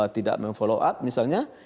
tidak memfollow up misalnya